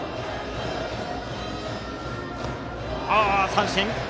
三振。